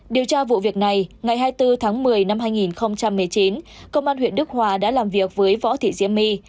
điều tra vụ việc này ngày hai mươi bốn tháng một mươi năm hai nghìn một mươi chín công an huyện đức hòa đã làm việc với võ thị diễm my